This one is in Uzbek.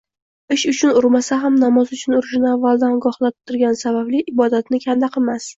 ish uchun urmasa ham namoz uchun urishini avvaldan ogohlantirgani sababli ibodatni kanda qilmas